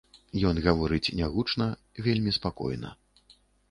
Ён гаворыць нягучна, вельмі спакойна.